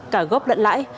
cả gốc lận lãi